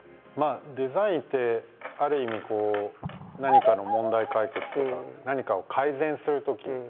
デザインってある意味こう何かの問題解決とか何かを改善するとき。